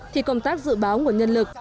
thì công tác dự báo nguồn nhân lực